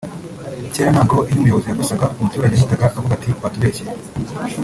cyera ntabwo iyo umuyobozi yakosaga umutarage yahitaga avuga ati watubeshye